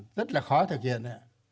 rất là khó thực hiện